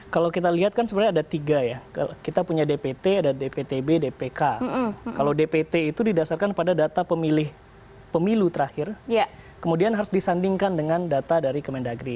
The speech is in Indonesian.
kalau dpt itu didasarkan pada data pemilih pemilu terakhir kemudian harus disandingkan dengan data dari kementerian negeri